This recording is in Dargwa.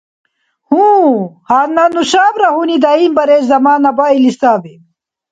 Гьу, гьанна нушабра гьуни даимбарес замана баили саби…